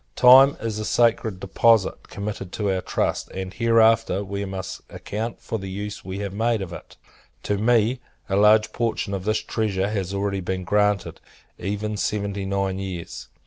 Time is a sacred deposit committed to our trust; and, hereafter, we must account for the use we have made of it. To me, a large portion of this treasure has already been granted, even seventy nine years.